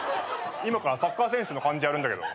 今からサッカー選手の感じやるんだけど。